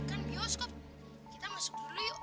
kan bioskop kita masuk dulu yuk